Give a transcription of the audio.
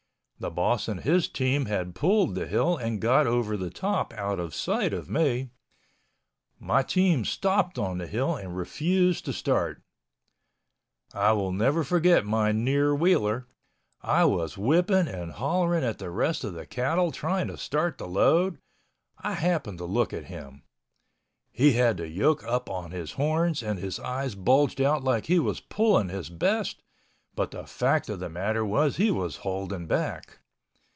The boss and his team had pulled the hill and got over the top out of sight of me. My team stopped on the hill and refused to start. I will never forget my near wheeler—I was whipping and hollering at the rest of the cattle trying to start the load—I happened to look at him. He had the yoke up on his horns and his eyes bulged out like he was pulling his best, but the fact of the matter was he was holding back.